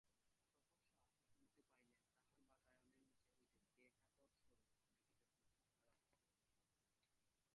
সহসা শুনিতে পাইলেন, তাঁহার বাতায়নের নীচে হইতে কে কাতরস্বরে ডাকিতেছে, মহারাজ!